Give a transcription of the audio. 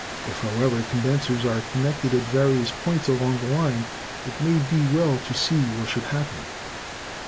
If, however, condensers are connected at various points along the line, it may be well to see what should happen.